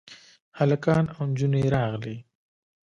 هلکان او نجونې راغلې.